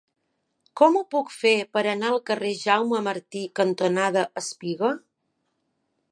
Com ho puc fer per anar al carrer Jaume Martí cantonada Espiga?